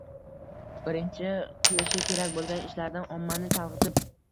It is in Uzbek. birinchi qilinishi kerak bo‘lgan ishlardan ommani chalg‘itib